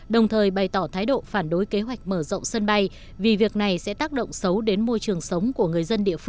đồng thời bày tỏ thái độ phản đối kế hoạch mở rộng sân bay vì việc này sẽ tác động xấu đến môi trường sống của người dân địa phương